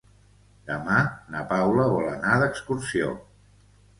Demà na Paula vol anar d'excursió.